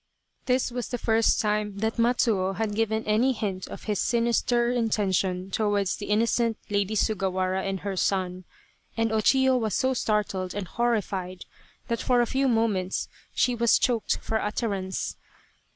This was the first time that Matsuo had given any hint of his sinister intention towards the innocent Lady Sugawara and her son, and O Chiyo was so startled and horrified that for a few moments she was choked for utterance.